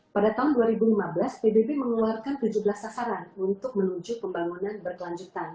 pada tahun dua ribu lima belas pbb mengeluarkan tujuh belas sasaran untuk menuju pembangunan berkelanjutan